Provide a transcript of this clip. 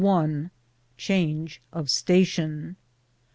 CHANGE OF STATION.